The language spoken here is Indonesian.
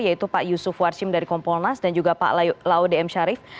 yaitu pak yusuf warsim dari kompolnas dan juga pak laude m syarif